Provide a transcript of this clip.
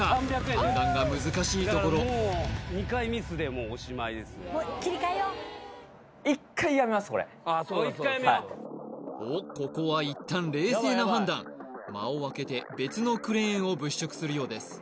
判断が難しいところこれおっここは一旦冷静な判断間をあけて別のクレーンを物色するようです